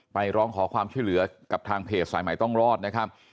ร้องขอความช่วยเหลือกับทางเพจสายใหม่ต้องรอดนะครับ